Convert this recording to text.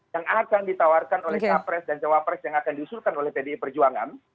yang akan ditawarkan oleh capres dan cawapres yang akan diusulkan oleh pdi perjuangan